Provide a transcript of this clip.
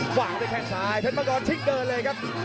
วางด้วยแข้งซ้ายเพชรมังกรชิกเดินเลยครับ